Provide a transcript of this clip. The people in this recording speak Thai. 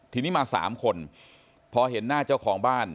ทีนี้มา๓คนพอเห็นหน้าเจ้าของบ้าน